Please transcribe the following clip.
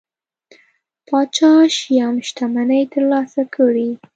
پاچا شیام شتمنۍ ترلاسه کړي.